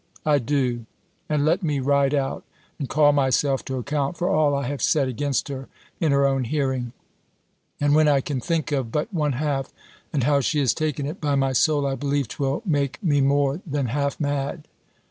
"I do; and let me ride out, and call myself to account for all I have said against her, in her own hearing; and when I can think of but one half, and how she has taken it, by my soul, I believe 'twill make me more than half mad."